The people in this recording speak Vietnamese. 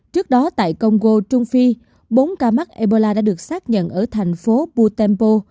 trước đó tại congo trung phi bốn ca mắc ebola đã được xác nhận ở thành phố puttempo